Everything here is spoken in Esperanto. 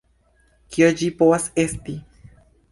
Kio ĝi povas esti?